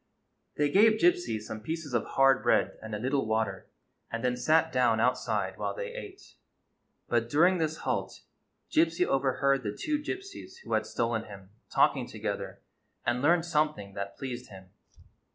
They gave Gypsy some pieces of hard bread and a little water, and then sat down outside while they ate. But during this halt Gypsy overheard the two Gypsies who had stolen him talking together, and learned something that pleased him.